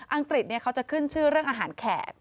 องกฤษเขาจะขึ้นชื่อเรื่องอาหารแขก